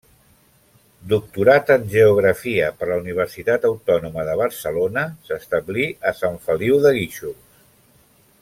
Doctorat en geografia per la Universitat Autònoma de Barcelona, s'establí a Sant Feliu de Guíxols.